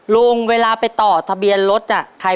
เวลาไปต่อทะเบียนรถอ่ะ